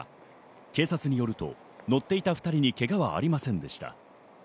警察によると、乗っていた２人にけがはありませんでした。